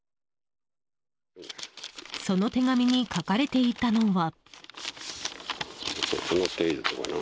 その手紙に書かれていたのは。